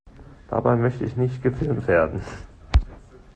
Dabei möchte ich nicht gefilmt werden!